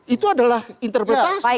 itu adalah interpretasi